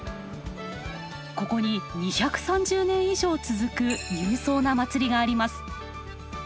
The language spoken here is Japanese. ここに２３０年以上続く勇壮な祭りがあります。